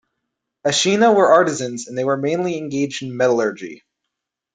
Ashina were artisans, and they were mainly engaged in metallurgy.